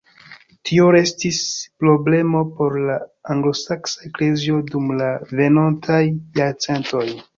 Tio restis problemo por la anglosaksa eklezio dum la venontaj jarcentoj.